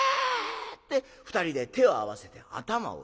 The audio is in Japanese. って２人で手を合わせて頭を下げる。